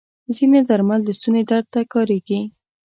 ځینې درمل د ستوني درد ته کارېږي.